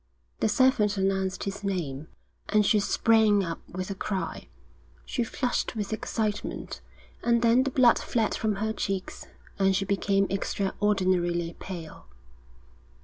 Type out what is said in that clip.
The servant announced his name, and she sprang up with a cry. She flushed with excitement, and then the blood fled from her cheeks, and she became extraordinarily pale.